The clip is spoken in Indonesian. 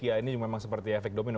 ya ini memang seperti efek domino